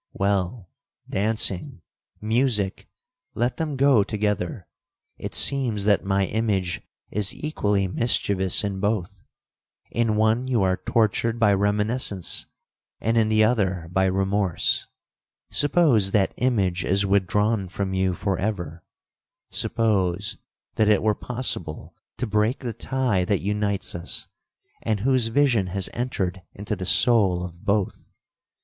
Well—dancing—music—let them go together! It seems that my image is equally mischievous in both—in one you are tortured by reminiscence, and in the other by remorse. Suppose that image is withdrawn from you for ever,—suppose that it were possible to break the tie that unites us, and whose vision has entered into the soul of both.'